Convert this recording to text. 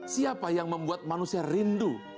siapa yang membuat manusia rindu